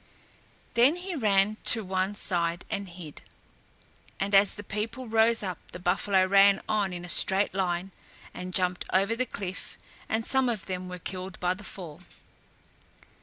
Then he ran to one side and hid, and as the people rose up the buffalo ran on in a straight line and jumped over the cliff and some of them were killed by the fall.